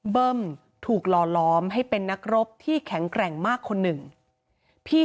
เบิ้มถูกหล่อล้อมให้เป็นนักรบที่แข็งแกร่งมากคนหนึ่งพี่